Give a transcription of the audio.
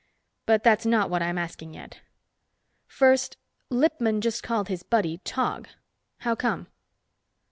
But that's not what I'm asking yet. First, Lippman just called his buddy Tog. How come?"